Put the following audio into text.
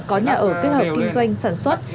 có nhà ở kết hợp kinh doanh sản xuất